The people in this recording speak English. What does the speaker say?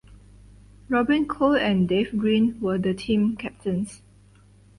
Robin Cole and Dave Green were the team captains.